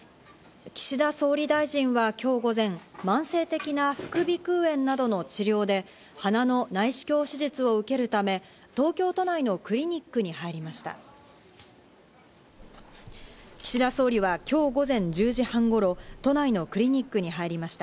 岸田総理大臣はきょう午前、慢性的な副鼻腔炎などの治療で鼻の内視鏡手術を受けるため、東京都内のクリニックに入りました。